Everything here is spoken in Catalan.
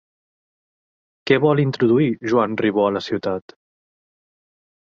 Què vol introduir Joan Ribó a la ciutat?